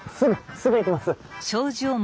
すぐ行きます！